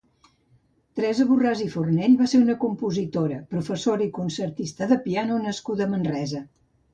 Teresa Borràs i Fornell va ser una compositora, professora i concertista de piano nascuda a Manresa.